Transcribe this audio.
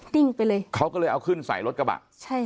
ิ้งไปเลยเขาก็เลยเอาขึ้นใส่รถกระบะใช่ค่ะ